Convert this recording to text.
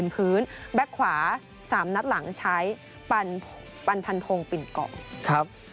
พื้นแบ็คขวา๓นัดหลังใช้ปันพันธงปิ่นกล่องครับ